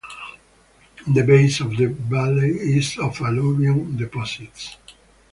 The base of the valley is of alluvium deposits.